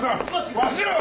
わしらは！